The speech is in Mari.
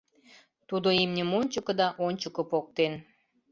Тудо имньым ончыко да ончыко поктен.